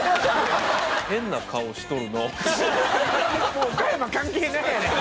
もう岡山関係ないやないか。